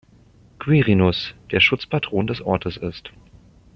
Quirinus, der Schutzpatron des Ortes ist.